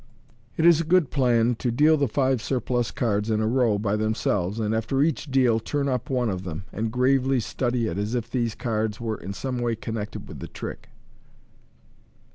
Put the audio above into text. It is a good plan to deal the five surplus cards in a row by them selves, and after each deal, turn up one of them, and gravely study it, as if these cards were in some way connected with the trick.